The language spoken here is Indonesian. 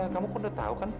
kamu kok udah tau kan